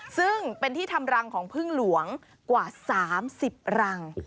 ซึ่งเป็นที่ทำรังของพึ่งหลวงกว่า๓๐รัง